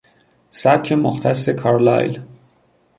سبک مختص کارلایل